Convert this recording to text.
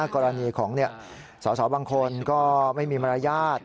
กรณีของสอสอบางคนก็ไม่มีมารยาท